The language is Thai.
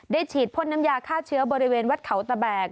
ฉีดพ่นน้ำยาฆ่าเชื้อบริเวณวัดเขาตะแบก